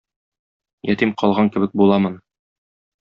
Ятим калган кебек буламын.